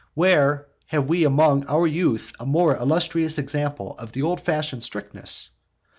where have we among our youth a more illustrious example of the old fashioned strictness?